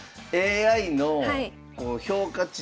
ＡＩの評価値